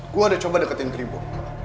gue udah coba deketin keripur